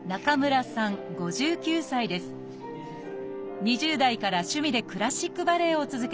２０代から趣味でクラシックバレエを続けてきました。